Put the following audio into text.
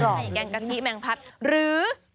ข้างในแกงกะทิแมงพัดหรือ